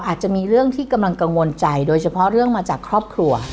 อาจจะมีเรื่องที่กำลังกังวลใจโดยเฉพาะเรื่องมาจากครอบครัว